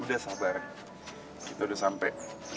udah sabar kita udah sampai